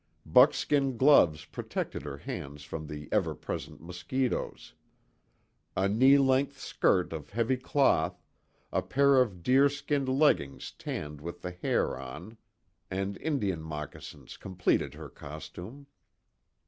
Buckskin gloves protected her hands from the ever present mosquitoes. A knee length skirt of heavy cloth, a pair of deer skin leggings tanned with the hair on, and Indian moccasins completed her costume.